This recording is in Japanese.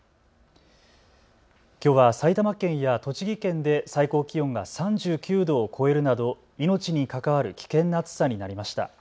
きょうは埼玉県や栃木県で最高気温が３９度を超えるなど命に関わる危険な暑さになりました。